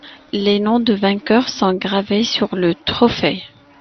Les noms des vainqueurs sont gravés sur le trophée.